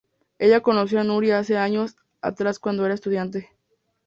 Ella conoció a Nuri hace años atrás cuando era estudiante.